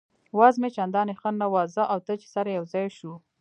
وضع مې چندانې ښه نه وه، زه او ته چې سره یو ځای شوو.